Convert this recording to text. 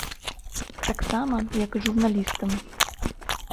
Таксама, як і журналістам.